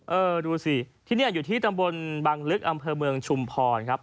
เออดูสิที่นี่อยู่ที่ตำบลบังลึกอำเภอเมืองชุมพรครับ